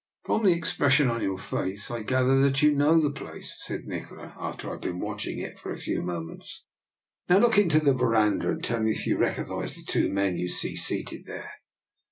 From the expression upon your face I gather that you know the place," said Nikola, after I had been watching it for a few mo ments. " Now look into the verandah, and tell me if you recognise the two men you see seated there."